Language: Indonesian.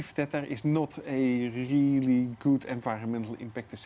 tidak ada pengurusan impact environmental yang baik